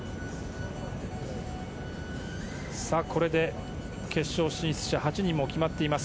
これで決勝進出者８人も決まっています。